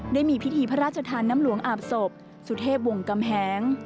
ได้มีพิธีพระราชทานน้ำหลวงอาบศพสุเทพวงกำแหง